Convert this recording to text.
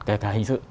kể cả hình sự